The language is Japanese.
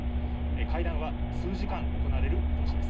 会談は数時間行われる見通しです。